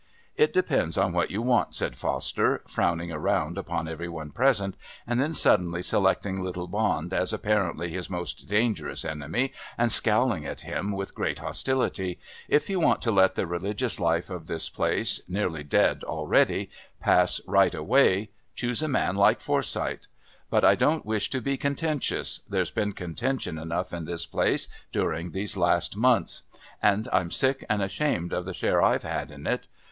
"It depends on what you want," said Foster, frowning around upon every one present; and then suddenly selecting little Bond as apparently his most dangerous enemy and scowling at him with great hostility, "if you want to let the religious life of this place, nearly dead already, pass right away, choose a man like Forsyth. But I don't wish to be contentious; there's been contention enough in this place during these last months, and I'm sick and ashamed of the share I've had in it.